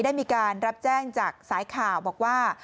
ได้มีการรับแจ้งจากสายข่าวบอกว่า